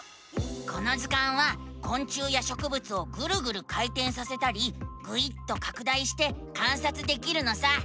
この図鑑はこん虫やしょくぶつをぐるぐる回てんさせたりぐいっとかく大して観察できるのさ！